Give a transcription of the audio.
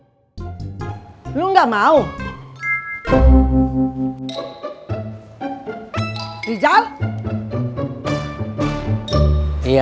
kayaknya genteng gua itu ada yang pecah